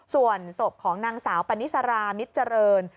ส่วนศพของนางสาวปนิสารามิตรเจริญ